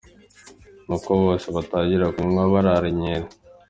Nuko bose batangira kunywa barara inkera.